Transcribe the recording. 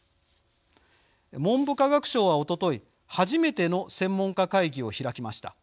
文部科学省は、おととい初めての専門家会議を開きました。